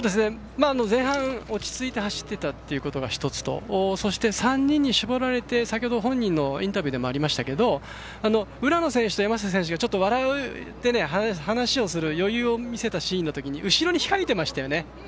前半、落ち着いて走っていたということが１つとそして、３人に絞られて本人のインタビューでもありましたけど浦野選手と山下選手が笑って話をする余裕を見せたシーンのときに後ろに控えてましたよね。